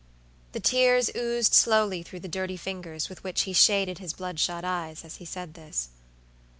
The tears oozed slowly through the dirty fingers with which he shaded his blood shot eyes, as he said this.